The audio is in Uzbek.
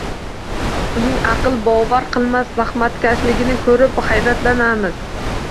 Uning aql bovar qilmas zahmatkashligini ko’rib hayratlanamiz.